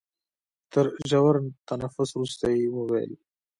تر ژور تنفس وروسته يې وويل.